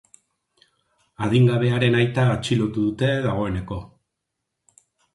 Adingabearen aita atxilotu dute dagoeneko.